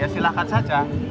ya silahkan saja